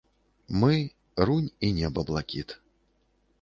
Мы, рунь і неба блакіт.